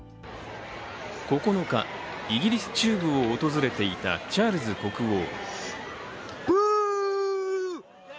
９日、イギリス中部を訪れていたチャールズ国王。